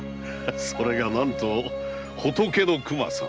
それが何と“仏の熊さん”